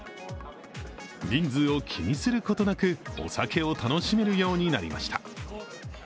人数を気にすることなくお酒を楽しめるようになりました。